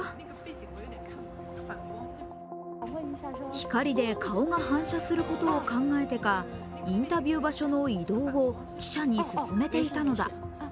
光で顔が反射することを考えてか、インタビュー場所の移動を記者に勧めていたのだ。